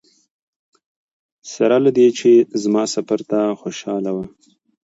سره له دې چې زما سفر ته خوشاله وه.